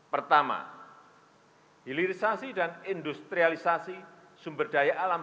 pertama hilirisasi dan industrialisasi sumber daya alam